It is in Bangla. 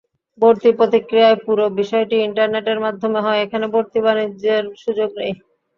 ভর্তি প্রক্রিয়ার পুরো বিষয়টি ইন্টারনেটের মাধ্যমে হয়, এখানে ভর্তি-বাণিজ্যের সুযোগ নেই।